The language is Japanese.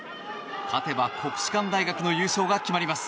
勝てば国士舘大学の優勝が決まります。